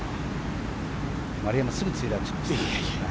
丸山、すぐ墜落しました。